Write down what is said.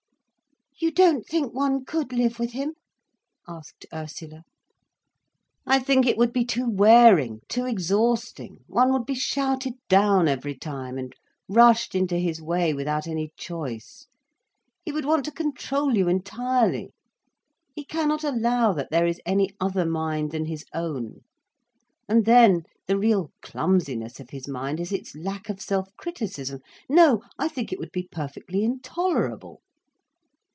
"You don't think one could live with him' asked Ursula. "I think it would be too wearing, too exhausting. One would be shouted down every time, and rushed into his way without any choice. He would want to control you entirely. He cannot allow that there is any other mind than his own. And then the real clumsiness of his mind is its lack of self criticism. No, I think it would be perfectly intolerable."